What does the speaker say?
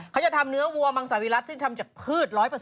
เขาจะทำเนื้อวัวมังสาวิรัติซึ่งทำจากพืช๑๐๐